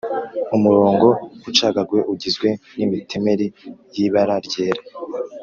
Umurongo ucagaguye ugizwe n'imitemeri y'ibara ryera